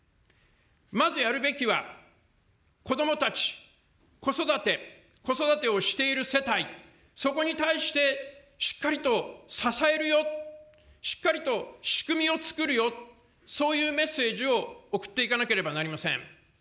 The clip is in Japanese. まずやるべきは、子どもたち、子育て、子育てをしている世帯、そこに対してしっかりと支えるよ、しっかりと仕組みをつくるよ、そういうメッセージを送っていかなければなりません。